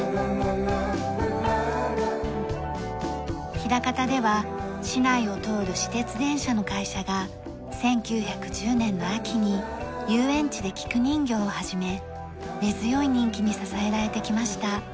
枚方では市内を通る私鉄電車の会社が１９１０年の秋に遊園地で菊人形を始め根強い人気に支えられてきました。